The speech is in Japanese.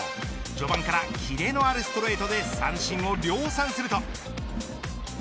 序盤から、キレのあるストレートで三振を量産すると。